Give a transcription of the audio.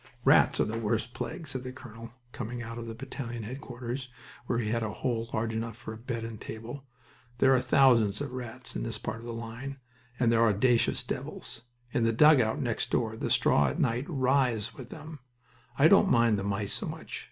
"Rats are the worst plague," said a colonel, coming out of the battalion headquarters, where he had a hole large enough for a bed and table. "There are thousands of rats in this part of the line, and they're audacious devils. In the dugout next door the straw at night writhes with them... I don't mind the mice so much.